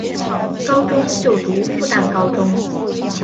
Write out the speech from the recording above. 高中就读复旦高中。